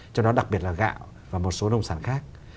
trong đó đặc biệt là gạo và một số nông sản khác